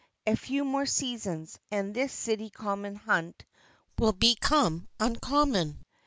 A few more seasons, and this City Common Hunt will become uncommon.